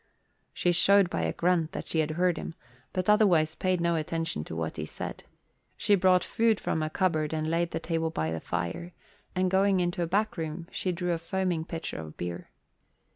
She showed by a grunt that she had heard him but otherwise paid no attention to what he said. She brought food from a cupboard and laid the table by the fire, and going into a back room, she drew a foaming pitcher of beer.